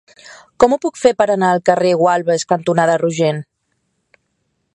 Com ho puc fer per anar al carrer Gualbes cantonada Rogent?